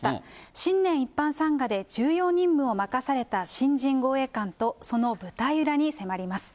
新年一般参賀で重要任務を任された新人護衛官とその舞台裏に迫ります。